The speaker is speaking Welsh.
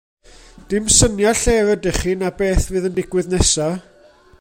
Dim syniad lle rydych chi na beth fydd yn digwydd nesa.